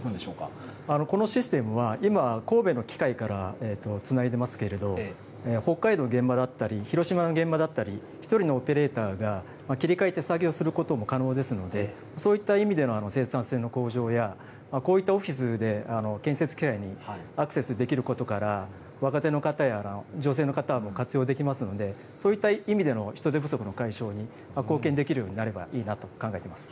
このシステムは今、神戸の機械からつないでいますけれども、北海道の現場だったり、広島の現場だったり、１人のオペレーターが切り替えて作業することも可能ですので、そういった意味での生産性の向上や、こういったオフィスで建設機材にアクセスできることから、若手の方や、女性の方も活用できますので、そういった意味での人手不足の解消に貢献できるようになればいいなと考えています。